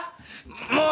もう！